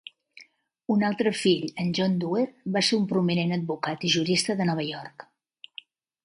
Un altre fill, en John Duer, va ser un prominent advocat i jurista de Nova York.